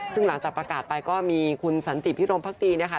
ซึ่งหลังจากประกาศไปก็มีคุณสันติพิรมภักดีนะคะ